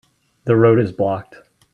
The road is blocked.